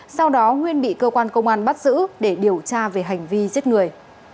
sau đó nguyên bị cơ quan công an bắt giữ để điều tra về hành vi giết người